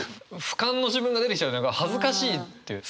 ふかんの自分が出てきちゃうというか恥ずかしいっていう。